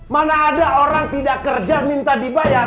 mana ada orang tidak kerja minta dibayar